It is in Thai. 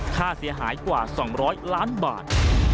ค่าเสียหายกว่า๒๐๐ล้านบาท